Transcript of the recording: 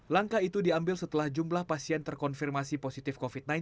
langkah itu diambil setelah jumlah pasien terkonfirmasi positif covid sembilan belas